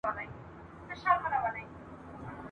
ځئ چي ځو همدا مو وار دی وخت د کار دی روانیږو ..